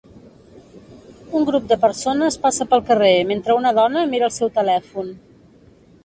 Un grup de persones passa pel carrer mentre una dona mira el seu telèfon.